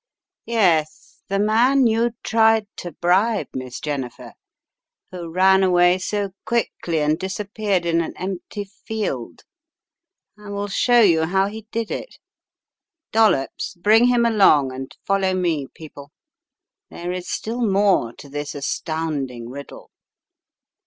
"Yes, the man you tried to bribe, Miss Jennifer, who ran away so quickly and disappeared in an empty field. I will show you how he did it. Dol lops, bring him along, and follow me, people. There is still more to this astounding riddle."